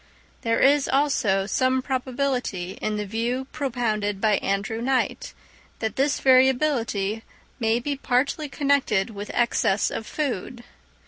There is, also, some probability in the view propounded by Andrew Knight, that this variability may be partly connected with excess of food.